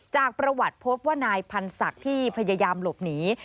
จากประวัติพบว่านายพันธ์ศักดิ์ที่พยายามหลบหนี